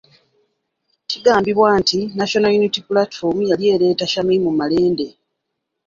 Kigambibwa nti National Unity Platform yali ereeta Shamim Malende .